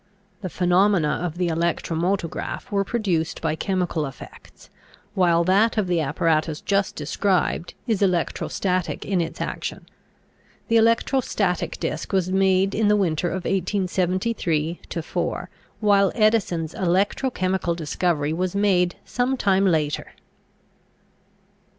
The phenomena of the electromotograph were produced by chemical effects, while that of the apparatus just described is electrostatic in its action. The electrostatic disk was made in the winter of 1873 4, while Edison's electrochemical discovery was made some time later.